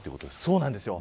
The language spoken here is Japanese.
そうなんですよ。